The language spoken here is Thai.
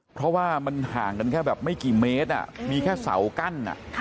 เพราะว่ามันห่างกันแค่แบบไม่กี่เมตรมีแค่เสากั้น